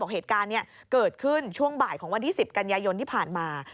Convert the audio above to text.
เหตุการณ์เกิดขึ้นช่วงบ่ายของวันที่๑๐กันยายนที่ผ่านมา